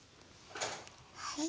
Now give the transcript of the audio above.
はい。